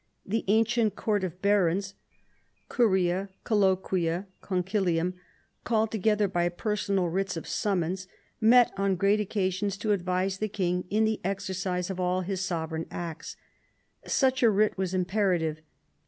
The ancient court of barons (curia, colloquia, concilium), called together by personal writs of summons, met on great occasions to advise the king in the exercise of all his sovereign acts. Such a writ was imperative.